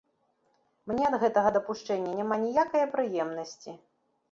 Мне ад гэтага дапушчэння няма ніякае прыемнасці.